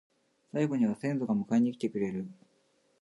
最期には先祖が迎えに来てくれる